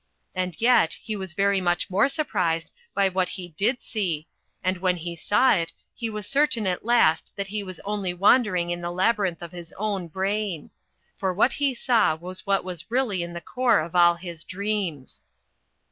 And yet he was very much more surprised by what he did see, and when he saw it, he was certain at last that he was only wandering in the labyrinth of his own brain. For what he saw was what was really in the core of all his dreams.